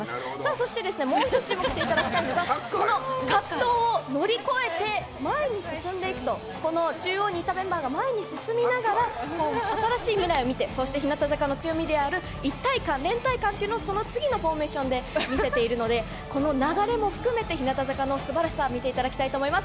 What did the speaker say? そして、もう一つ注目していただきたいのがその葛藤を乗り越えて前に進んでいくと中央にいたメンバーが前に進みながら新しい未来を見てそして、日向坂の強みである一体感、連帯感というのをその次のフォーメーションで見せているのでこの流れも含めて日向坂のすばらしさを見ていただきたいと思います。